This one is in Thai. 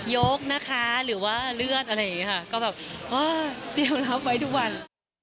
ยกนะคะหรือว่าเลือดอะไรอย่างนี้ค่ะก็แบบอ๋อเตรียมรับไว้ทุกวัน